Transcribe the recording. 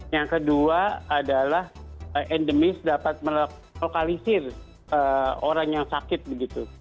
yang kedua adalah endemis dapat melokalisir orang yang sakit begitu